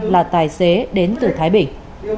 là tài xế đến từ thái bình